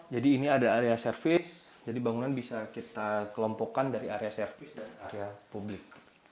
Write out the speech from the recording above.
jadi ini ada area service jadi bangunan bisa kita kelompokkan dari area service dan area publik